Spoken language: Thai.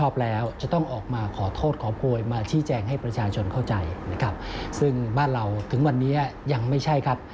ซึ่งบ้านเราถึงวันนี้ยังไม่ใช่ครับ